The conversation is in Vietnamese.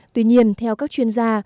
tuy nhiên theo các chuyên gia